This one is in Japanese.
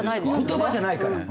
言葉じゃないから。